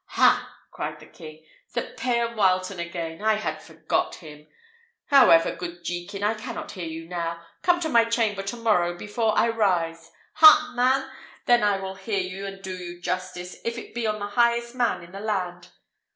"Ha!" cried the king; "Sir Payan Wileton again! I had forgot him. However, good Jekin, I cannot hear you now; come to my chamber to morrow before I rise ha, man! then I will hear and do you justice, if it be on the highest man in the land.